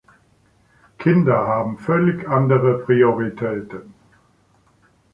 Kinder haben völlig andere Prioritäten.